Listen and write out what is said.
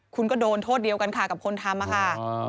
คุณก็โดนโทษเดียวกันค่ะกับคนทำค่ะ